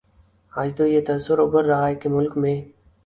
آج تو یہ تاثر ابھر رہا ہے کہ ملک میں